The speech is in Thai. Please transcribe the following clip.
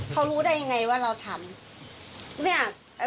เขารู้ได้ยังไงว่าเราทำ